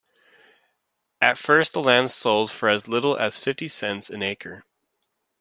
At first the land sold for as little as fifty cents an acre.